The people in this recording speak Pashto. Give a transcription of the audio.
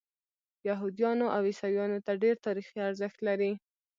یهودیانو او عیسویانو ته ډېر تاریخي ارزښت لري.